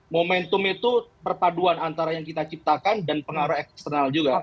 momentum itu perpaduan antara yang kita ciptakan dan pengaruh eksternal juga